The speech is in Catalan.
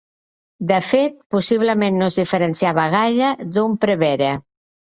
De fet, possiblement no es diferenciava gaire d'un prevere.